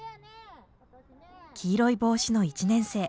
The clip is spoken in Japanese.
黄色い帽子の１年生。